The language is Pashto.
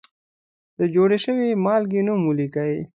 د جوړې شوې مالګې نوم ولیکئ.